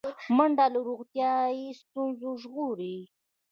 منډه له روغتیایي ستونزو ژغوري